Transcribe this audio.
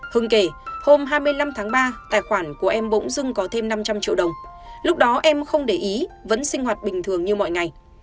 hơn kể hôm hai mươi năm tháng ba tài khoản của em bỗng dưng có thêm năm trăm linh triệu đồng lúc đó em không để ý vẫn sinh hoạt bình thường như mọi ngày